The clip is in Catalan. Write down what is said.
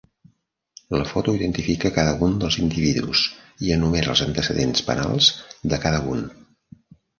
La foto identifica cada un dels individus i enumera els antecedents penals de cada un.